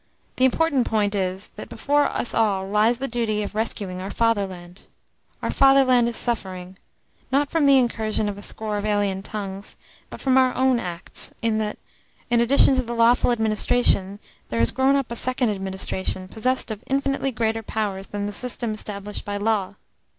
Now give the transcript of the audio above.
The important point is, that before us all lies the duty of rescuing our fatherland. Our fatherland is suffering, not from the incursion of a score of alien tongues, but from our own acts, in that, in addition to the lawful administration, there has grown up a second administration possessed of infinitely greater powers than the system established by law.